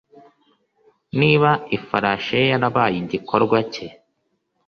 Niba ifarashi ye yarabaye igikorwa cye